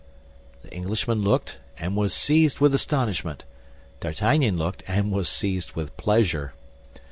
The Englishman looked, and was seized with astonishment. D'Artagnan looked, and was seized with pleasure.